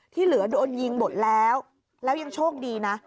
ที่เหลือโดนยิงหมดแล้วแล้วยังโชคดีนะ